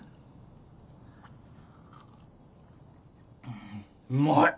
うんうまい！